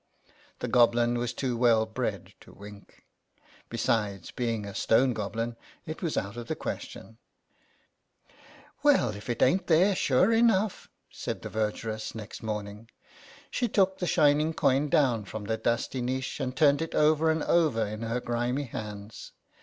The Goblin was too well bred to wink ; 64 THE SAINT AND THE GOBLIN besides, being a stone goblin, it was out of the question. " Well, if it ain't there, sure enough !" said the vergeress next morning. She took the shining coin down from the dusty niche and turned it over and over in her grimy hands.